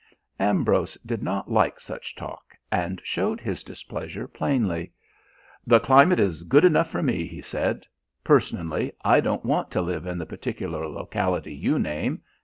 Ambrose did not like such talk, and showed his displeasure plainly. "The climate is good enough for me," he said. "Personally, I don't want to live in the particular locality you name.